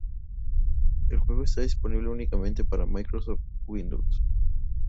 El juego está disponible únicamente para Microsoft Windows.